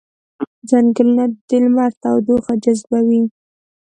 ځنګلونه د لمر تودوخه جذبوي